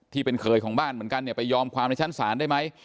ที่เป็นเคยของบ้านเหมือนกันเนี่ยไปยอมความในชั้นศาลได้ไหม